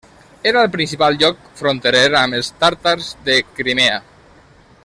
Era el principal lloc fronterer amb els tàrtars de Crimea.